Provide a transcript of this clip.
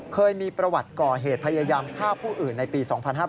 เคยมีประวัติก่อเหตุพยายามฆ่าผู้อื่นในปี๒๕๕๘